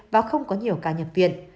và không có nhiều cao nhập viện